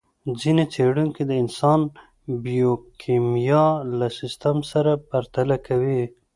ځينې څېړونکي د انسان بیوکیمیا له سیستم سره پرتله کوي.